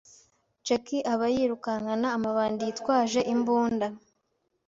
Jackie aba yirukankana amabandi yitwaje imbunda